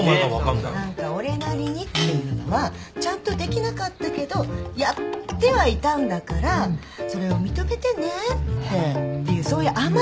何か俺なりにっていうのはちゃんとできなかったけどやってはいたんだからそれを認めてねっていうそういう甘えを感じるんですよね。